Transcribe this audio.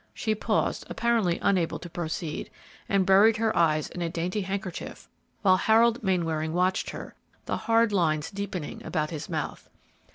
She paused, apparently unable to proceed, and buried her eyes in a dainty handkerchief, while Harold Mainwaring watched her, the hard lines deepening about his mouth.